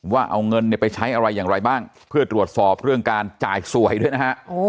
ว่าเอาเงินเนี่ยไปใช้อะไรอย่างไรบ้างเพื่อตรวจสอบเรื่องการจ่ายสวยด้วยนะฮะ